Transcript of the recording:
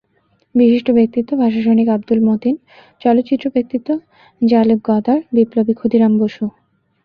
বিশিষ্ট ব্যক্তিত্ব—ভাষাসৈনিক আবদুল মতিন, চলচ্চিত্র ব্যক্তিত্ব জ্যাঁ লুক গদার, বিপ্লবী ক্ষুদিরাম বসু।